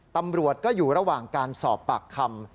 ตำรวจก็อยู่ระหว่างการสอบปากคำ